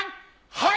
はい！